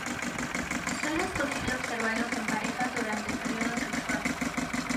Sólo es posible observarlos en parejas durante el período sexual.